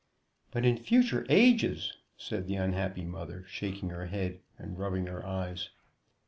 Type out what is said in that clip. "But in future ages " said the unhappy mother, shaking her head and rubbing her eyes.